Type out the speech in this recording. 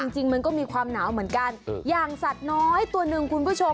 จริงมันก็มีความหนาวเหมือนกันอย่างสัตว์น้อยตัวหนึ่งคุณผู้ชม